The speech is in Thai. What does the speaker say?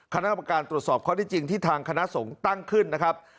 คณะกรรมการตรวจสอบข้อที่จริงที่ทางคณะสงฆ์ตั้งขึ้นนะครับ